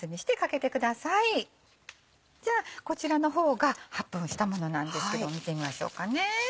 じゃあこちらの方が８分したものなんですけど見てみましょうかね。